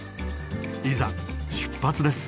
いざ出発です。